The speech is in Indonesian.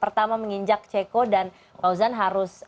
pertama menginjak ceko dan fauzan harus